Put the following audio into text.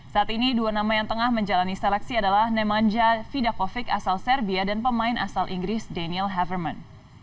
saat ini dua nama yang tengah menjalani seleksi adalah nemanja fidakovic asal serbia dan pemain asal inggris daniel heverman